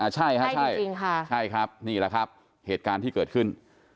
ใช่ครับใช่ค่ะนี่ละครับเหตุการณ์ที่เกิดขึ้น